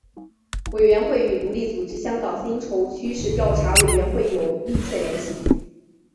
委员会与独立组织香港薪酬趋势调查委员会有密切联系。